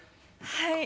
はい。